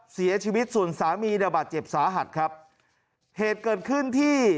เสียชีวิตส่วนสามีเนี่ยบาดเจ็บสาหัสครับเหตุเกิดขึ้นที่